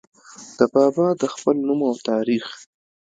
د بابا د خپل نوم او تاريخ